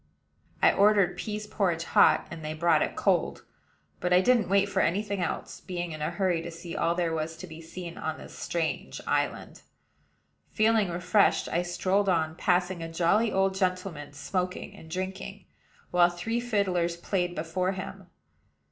I ordered pease porridge hot, and they brought it cold; but I didn't wait for any thing else, being in a hurry to see all there was to be seen on this strange island. Feeling refreshed, I strolled on, passing a jolly old gentleman smoking and drinking, while three fiddlers played before him.